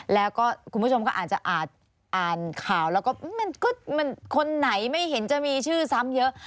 แล้วก็คุณผู้ชมก็อาจจะอ่านข่าวแล้วก็คนไหนไม่เห็นจะมีชื่อซ้ำเยอะ